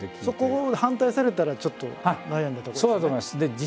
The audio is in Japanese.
そこを反対されたらちょっと悩んだとこですよね。